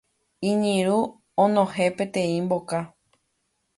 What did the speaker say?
Iñirũ onohẽ peteĩ mboka